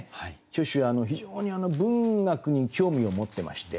虚子は非常に文学に興味を持ってまして。